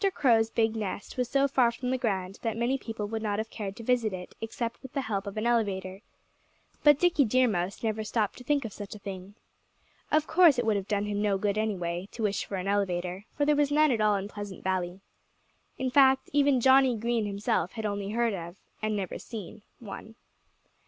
Crow's big nest was so far from the ground that many people would not have cared to visit it except with the help of an elevator. But Dickie Deer Mouse never stopped to think of such a thing. Of course it would have done him no good, anyway, to wish for an elevator, for there was none in all Pleasant Valley. In fact, even Johnnie Green himself had only heard of and never seen one.